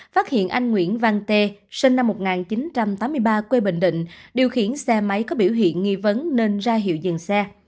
phát hiện anh nguyễn văn tê sinh năm một nghìn chín trăm tám mươi ba quê bình định điều khiển xe máy có biểu hiện nghi vấn nên ra hiệu dừng xe